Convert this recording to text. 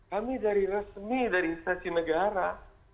kami dari resmi dari instansi negara